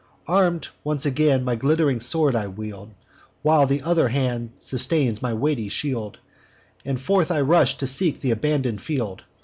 Arm'd once again, my glitt'ring sword I wield, While th' other hand sustains my weighty shield, And forth I rush to seek th' abandon'd field.